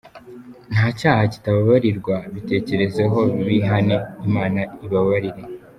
Ntacyaha kitababarirwa bitekerezeho bihane Imana ibababarire.